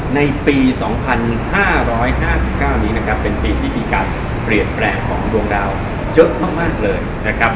ในปี๒๕๕๙นี้นะครับเป็นปีที่มีการเปลี่ยนแปลงของดวงดาวเยอะมากเลยนะครับ